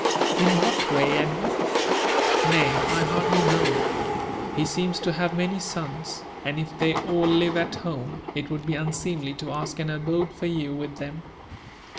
" In what way, Edward r >" Nay, I hardly know. He seems to have many sons ; and if they all live at home, it would be unseemly to ask an abode for you with them."